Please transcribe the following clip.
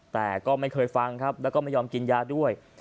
แต่ก็ไม่เคยฟังครับแล้วก็ไม่ยอมกินยาด้วย